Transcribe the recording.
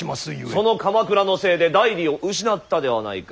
その鎌倉のせいで内裏を失ったではないか。